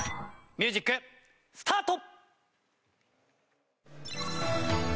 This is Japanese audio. ミュージックスタート！